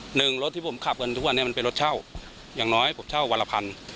หนึ่งรถที่ผมขับกันทุกวันนี้มันเป็นรถเช่าอย่างน้อยผมเช่าวันละพัน